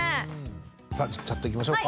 さあチャットいきましょうか。